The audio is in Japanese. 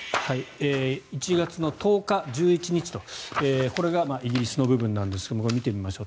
１月１０日、１１日とこれがイギリスの部分なんですが見てみましょう。